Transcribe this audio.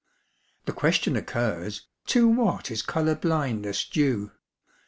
The question occurs, To what is colour blindness due?